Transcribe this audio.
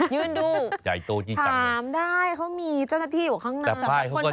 ยืนดูถามได้ครับเค้ามีเจ้าหน้าที่อยู่ข้างหน้าเห็นป้ายเฉพาะส้ม๙๒